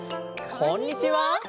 こんにちは。